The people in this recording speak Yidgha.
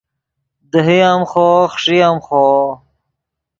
دیہے ام خوو خݰئے ام خوو